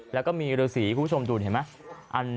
แล้วก็มีฤษีคุณผู้ชมดูเห็นไหม